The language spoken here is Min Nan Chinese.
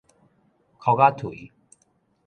嘓仔槌